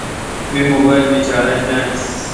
می موبایل مے چارج نان۔